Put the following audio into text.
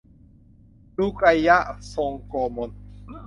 รูไกยะฮ์ ทรงโกมล